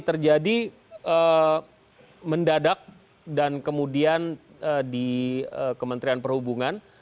terjadi mendadak dan kemudian di kementerian perhubungan